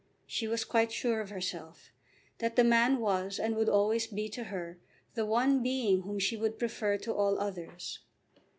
She was quite sure of herself, that the man was and would always be to her the one being whom she would prefer to all others.